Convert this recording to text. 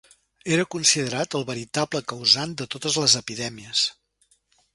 Era considerat el veritable causant de totes les epidèmies.